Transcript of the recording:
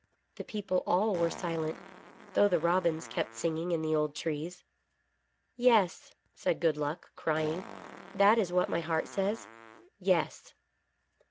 The people all were silent, though the robins kept singing in the old trees. "Yes," said Good Luck, crying ; "that is what my heart says — yes."